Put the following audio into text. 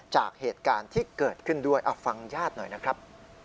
จากเหตุการณ์ที่เกิดขึ้นด้วยเอาฟังญาติหน่อยนะครับ